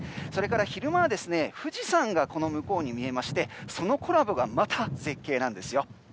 それから、昼間は富士山がこの向こうに見えましてそのコラボがまた絶景です。